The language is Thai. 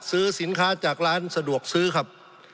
สงบจนจะตายหมดแล้วครับ